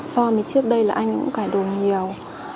so với trước đây là anh cũng cải đồ nhiều